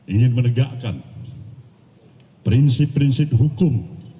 ingin menegakkan prinsip prinsip hukum